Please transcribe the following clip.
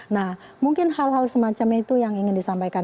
nah mungkin hal hal semacam itu yang ingin disampaikan